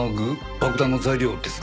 爆弾の材料ですかね？